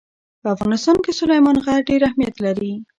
په افغانستان کې سلیمان غر ډېر اهمیت لري.